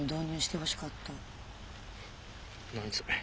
何それ。